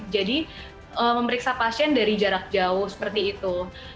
jadi memeriksa pasien dari jarak jauh seperti itu